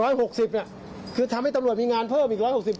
๑๖๐เนี่ยคือทำให้ตำรวจมีงานเพิ่มอีก๑๖๐